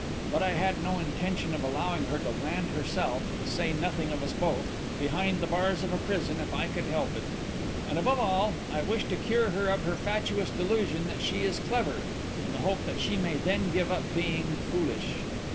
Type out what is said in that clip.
But I had no intention of allowing her to land herself to say nothing of us both behind the bars of a prison if I could help it. And, above all, I wished to cure her of her fatuous delusion that she is clever, in the hope that she may then give up being foolish.